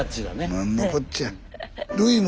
何のこっちゃ。